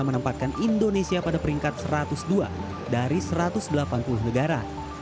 menempatkan indonesia pada peringkat satu ratus dua dari satu ratus delapan puluh negara